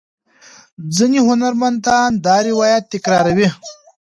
ځینې هنرمندان دا روایت تکراروي.